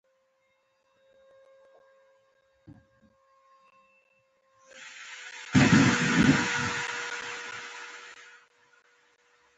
نیلی رنګ ښه دی.